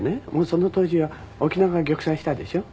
その当時は沖縄が玉砕したでしょ。